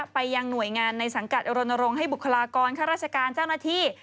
ไปยังหน่วยงานในสังกัดรณรงค์ให้บุคลากรข้าราชการเจ้าหน้าที่